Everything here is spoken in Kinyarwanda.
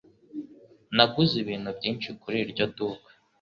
Naguze ibintu byinshi kuri iryo duka.